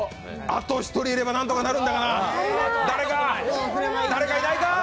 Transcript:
あと１人いればなんとかなるんだが誰かいないか！？